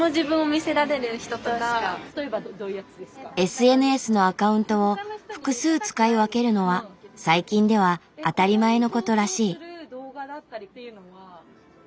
ＳＮＳのアカウントを複数使い分けるのは最近では当たり前のことらしい。